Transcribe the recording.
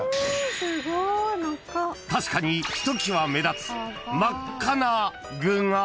［確かにひときわ目立つ真っ赤な具が］